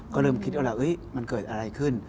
ก็เริ่มคิดเอาล่ะมันเกิดอะไรขึ้น